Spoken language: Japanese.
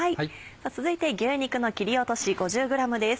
続いて牛肉の切り落とし５０ｇです。